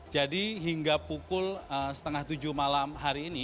jadi hingga pukul setengah tujuh malam hari ini